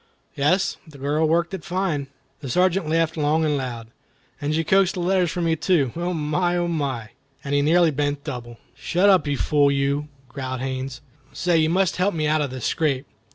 "Yes; the girl worked it fine." The Sergeant laughed long and loud. "And she coaxed the letters from you too. Oh, my! Oh, my!" And he nearly bent double. "Shut up, you fool you!" growled Haines. "Say, you must help me out of this scrape."